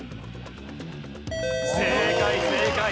正解正解。